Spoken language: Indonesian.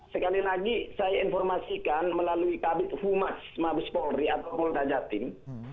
sekali lagi saya informasikan melalui kabit humas mabuspolri atau multajatin